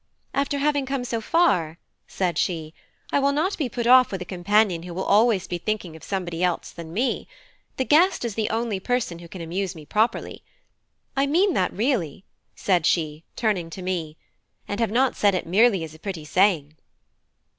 "After having come so far," said she, "I will not be put off with a companion who will be always thinking of somebody else than me: the guest is the only person who can amuse me properly. I mean that really," said she, turning to me, "and have not said it merely as a pretty saying."